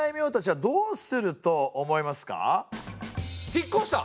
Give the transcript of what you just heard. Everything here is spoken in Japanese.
引っこした！